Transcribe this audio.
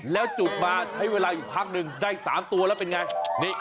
แล้วจบมาใช้เวลาอีกพักนึงได้๓ตัวแล้วเป็นอย่างไร